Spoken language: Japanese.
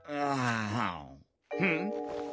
うん？